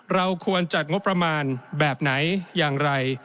เราควรจัดงบประมาณแบบไหนอย่างไร